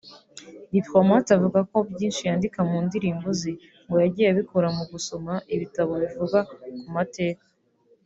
Diplomate avuga ko byinshi yandika mu ndirimbo ze ngo yagiye abikura mu gusoma ibitabo bivuga ku mateka